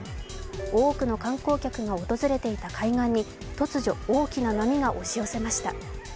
多くの観光客が訪れていた海岸に突如、大きな波が押し寄せました。